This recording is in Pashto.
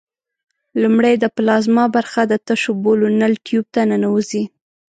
لومړی د پلازما برخه د تشو بولو نل ټیوب ته ننوزي.